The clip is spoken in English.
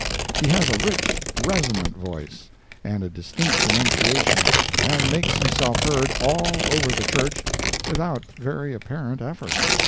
He has a rich, resonant voice, and a distinct enunciation, and makes himself heard all over the church without very apparent effort.